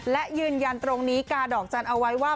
และยืนยันตรงนี้กาดอกจันทร์เอาไว้ว่า